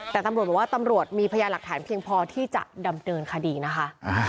แต่ตำรวจบอกว่าตำรวจมีพยาหลักฐานเพียงพอที่จะดำเนินคดีนะคะ